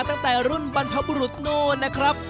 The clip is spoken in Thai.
ตั้งแต่รุ่นบรรพบุรุษโน้นนะครับ